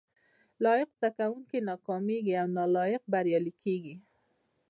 لایق زده کوونکي ناکامیږي او نالایق بریالي کیږي